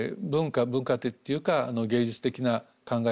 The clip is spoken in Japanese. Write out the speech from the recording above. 文化というか芸術的な考え方。